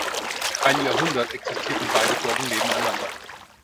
Ein Jahrhundert existierten beide Burgen nebeneinander.